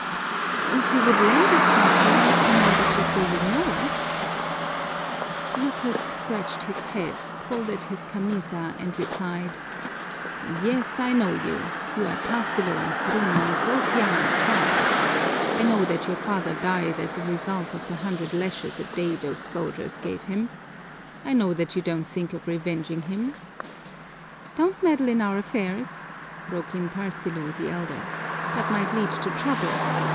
If you would lend us something, now that you say you know us " Lucas scratched his head, pulled at his camisa, and replied, "Yes, I know you. You are Tarsilo and Bruno, both young and strong. I know that your brave father died as a result of the hundred lashes a day those soldiers gave him. I know that you don't think of revenging him." "Don't meddle in our affairs!" broke in Tarsilo, the elder. "That might lead to trouble.